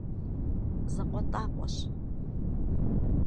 ЗакъуэтӀакъуэщ…